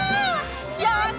やった！